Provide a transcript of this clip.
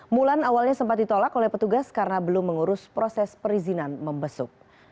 mulan awalnya sempat ditolak oleh petugas karena belum mengurus proses perizinan membesuk